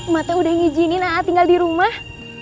matanya udah ngijinin a'a tinggal di rumah